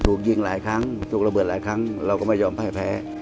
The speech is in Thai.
ถูกยิงหลายครั้งถูกระเบิดหลายครั้งเราก็ไม่ยอมพ่ายแพ้